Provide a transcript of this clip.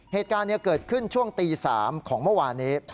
เหตุการณ์เกิดขึ้นช่วงตี๓ของเมื่อวานนี้